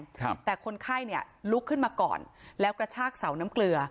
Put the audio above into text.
ครับแต่คนไข้เนี่ยลุกขึ้นมาก่อนแล้วกระชากเสาน้ำเกลือ